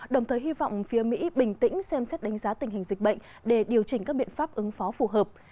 đồng thời hy vọng phía mỹ bình tĩnh xem xét đánh giá tình hình dịch bệnh để điều chỉnh các biện pháp ứng phó phù hợp